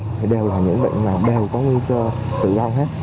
thì đều là những bệnh mà đều có nguy cơ tự do hết